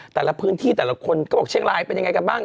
แต่ละพื้นที่แต่ละคนก็บอกเชียงรายเป็นยังไงกันบ้าง